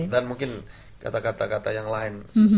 dan mungkin kata kata kata yang lain